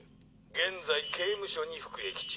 現在刑務所に服役中。